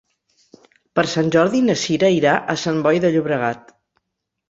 Per Sant Jordi na Sira irà a Sant Boi de Llobregat.